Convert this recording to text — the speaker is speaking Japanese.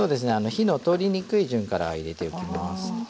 火の通りにくい順から入れていきます。